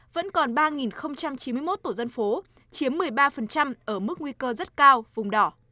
vẫn còn ba chín mươi một tổ dân phố chiếm một mươi ba ở mức nguy cơ rất cao vùng đỏ